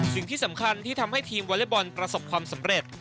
สิ่งที่สำคัญที่ทำให้ทีมวอเล็กบอลประสบความสำเร็จ